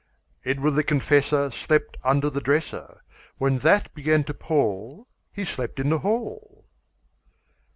Edward the Confessor Slept under the dresser. When that began to pall, He slept in the hall.